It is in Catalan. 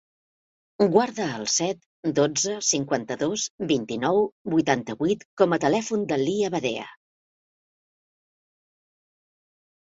Guarda el set, dotze, cinquanta-dos, vint-i-nou, vuitanta-vuit com a telèfon de la Lea Badea.